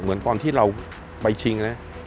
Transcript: เหมือนตอนที่เราไปชิงนะ